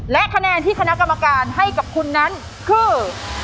และคะแนนที่คณะกรรมการให้กับคุณนั้นคือ